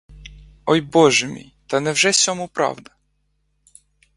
Ой боже мій, та невже сьому правда?